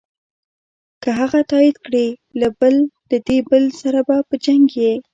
که هغه تایید کړې له دې بل سره په جنګ یې.